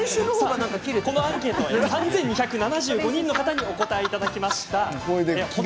このアンケートは３２７５人の方にお答えいただきました。